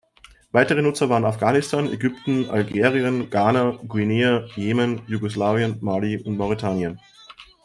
Weitere Nutzer waren Afghanistan, Ägypten, Algerien, Ghana, Guinea, Jemen, Jugoslawien, Mali und Mauretanien.